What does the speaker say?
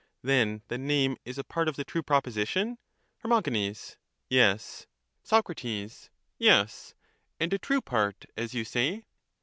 Then the name is a part of the true proposition? Her. Yes. Soc. Yes, and a true part, as you say.